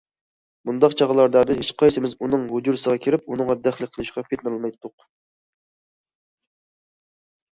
بۇنداق چاغلاردا بىز ھېچقايسىمىز ئۇنىڭ ھۇجرىسىغا كىرىپ ئۇنىڭغا دەخلى قىلىشقا پېتىنالمايتتۇق.